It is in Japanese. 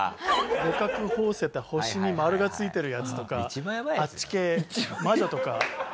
五角って星に丸がついてるやつとかあっち系魔女とか。